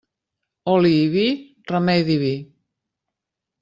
Oli i vi, remei diví.